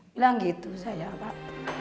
bilang gitu saja pak